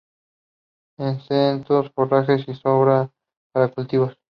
En setos, forraje y sombra para cultivos.